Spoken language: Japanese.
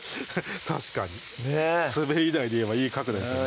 確かにねっ滑り台でいえばいい角度ですね